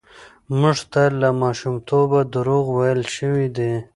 موږ ته له ماشومتوبه دروغ ويل شوي دي.